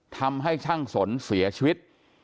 ทำให้ช่างสนเสียชีวิต